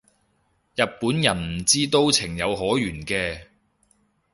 日本人唔知都情有可原嘅